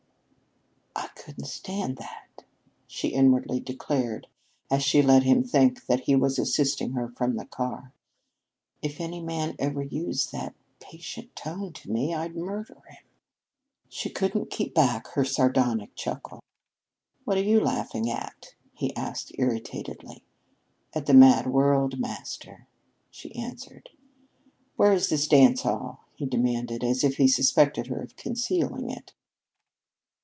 "I couldn't stand that," she inwardly declared, as she let him think that he was assisting her from the car. "If any man ever used that patient tone to me, I'd murder him!" She couldn't keep back her sardonic chuckle. "What are you laughing at?" he asked irritatedly. "At the mad world, master," she answered. "Where is this dance hall?" he demanded, as if he suspected her of concealing it.